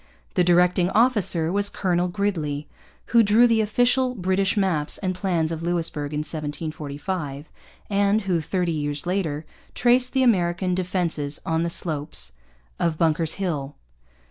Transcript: The directing officer was Colonel Gridley, who drew the official British maps and plans of Louisbourg in 1745, and who, thirty years later, traced the American defences on the slopes of Bunker's Hill.